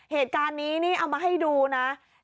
เหตุการณ์นี้นี่เอามาให้ดูนะ